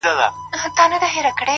د زړه صفا د وجدان رڼا ده’